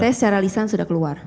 tes secara lisan sudah keluar